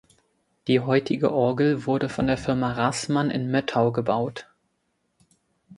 Die heutige Orgel wurde von der Firma Raßmann in Möttau gebaut.